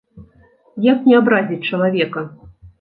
Як не абразіць чалавека?